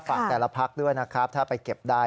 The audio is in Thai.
แต่ละพักด้วยนะครับถ้าไปเก็บได้